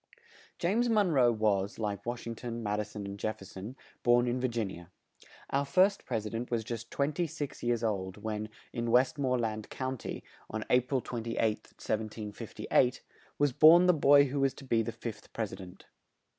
James Mon roe was, like Wash ing ton, Mad i son and Jef fer son, born in Vir gin i a. Our first Pres i dent was just twen ty six years old when, in West more land County, on A pril 28th, 1758, was born the boy who was to be the fifth Pres i dent.